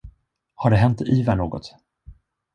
Har det hänt Ivar något?